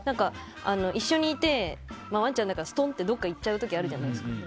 一緒にいてワンちゃんだからどっか行っちゃう時あるじゃないですか。